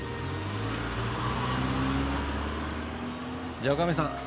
じゃあ女将さん